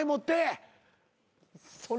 それ